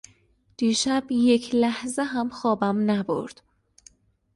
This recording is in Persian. دیشب یک لحظه هم خوابم نبرد.